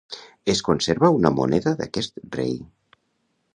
Es conserva una moneda d'aquest rei.